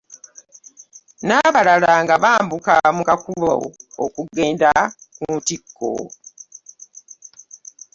Nnabalaba nga bambuka mu kakubo okugenda ku ntikko.